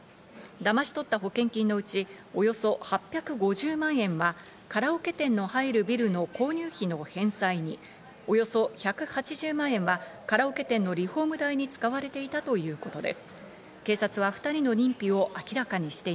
だまし取った保険金のうち、およそ８５０万円はカラオケ店の入るビルの購入費の返済におよそ１８０万円はカラオケ店のリフォーム代藤富さん、よろしくお願いします。